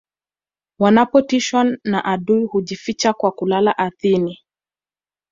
wanapotishwa na adui hujificha kwa kulala ardhini